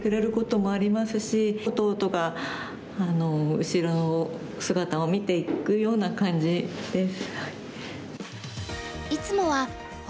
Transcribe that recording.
弟が後ろ姿を見ていくような感じです。